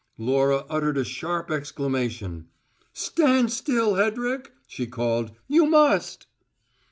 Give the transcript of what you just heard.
Laura uttered a sharp exclamation. "Stand still, Hedrick!" she called. "You must!"